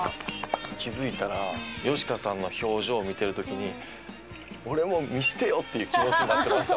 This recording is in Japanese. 気づいたらよしかさんの表情を見てる時に俺も見せてよ！っていう気持ちになってましたわ。